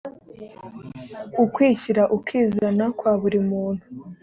ukwishyira ukizana kwa buri muntu